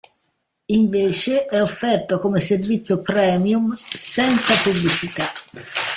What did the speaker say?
Invece, è offerto come servizio premium senza pubblicità.